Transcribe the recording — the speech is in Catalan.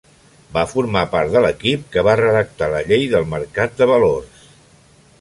Va formar part de l'equip que va redactar la Llei del Mercat de Valors.